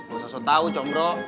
gak usah tau com bro